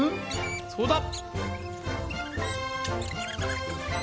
そうだ！